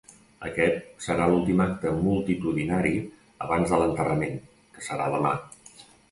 Aquest serà l’últim acte multitudinari abans de l’enterrament, que serà demà.